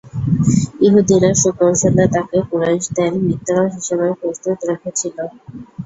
ইহুদীরা সুকৌশলে তাকে কুরাইশদের মিত্র হিসেবে প্রস্তুত রেখেছিল।